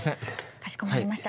かしこまりました。